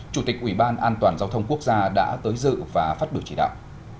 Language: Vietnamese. chủ tịch ủy ban an toàn giao thông quốc gia đã tới dự và phát biểu chỉ đạo